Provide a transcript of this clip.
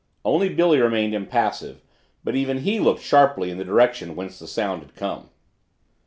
Only Billy remained impassive but even he looked sharply in the direction whence the sound had come.